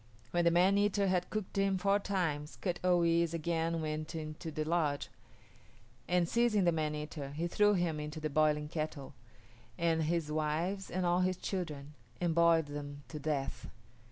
When the man eater had cooked him four times Kut o yis´ again went into the lodge, and seizing the man eater, he threw him into the boiling kettle, and his wives and all his children, and boiled them to death.